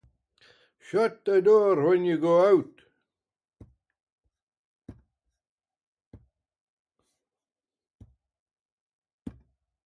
Shut the door when you go out.